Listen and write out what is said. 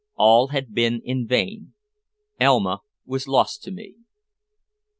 All had been in vain. Elma was lost to me.